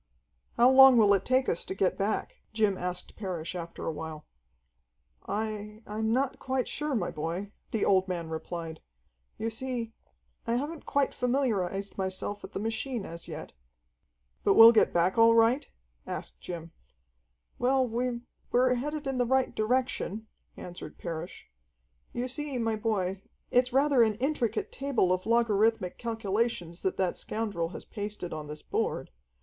"How long will it take us to get back?" Jim asked Parrish after a while. "I I'm not quite sure, my boy," the old man replied. "You see I haven't quite familiarized myself with the machine as yet." "But we'll get back all right?" asked Jim. "Well, we we're headed in the right direction," answered Parrish. "You see, my boy, it's rather an intricate table of logarithmic calculations that that scoundrel has pasted on this board.